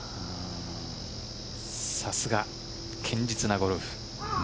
さすが、堅実なゴルフ。